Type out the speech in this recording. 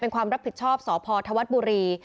เป็นความรับผิดชอบสพธวัฒน์บุรี